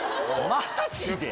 マジで？